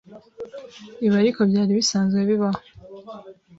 Ibi ariko byari bisanzwe bibaho